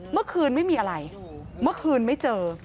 เมื่อคืนไม่มีอะไรเมื่อคืนไม่เจอ